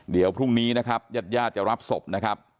เดี๋ยวพรุ่งนี้นะครับญาติญาติจะรับศพนะครับ